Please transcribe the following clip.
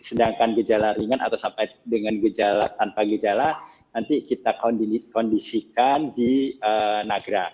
sedangkan gejala ringan atau sampai dengan gejala tanpa gejala nanti kita kondisikan di nagra